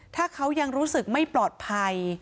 ถ้าเขายังรู้สึกไม่ปลอดภัย